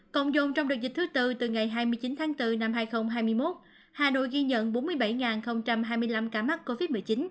cộng dồn trong đợt dịch thứ tư từ ngày hai mươi chín tháng bốn năm hai nghìn hai mươi một hà nội ghi nhận bốn mươi bảy hai mươi năm ca mắc covid một mươi chín